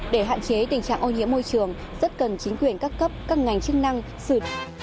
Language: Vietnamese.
để hạn chế tình trạng ô nhiễm môi trường rất cần chính quyền các cấp các ngành chức năng xử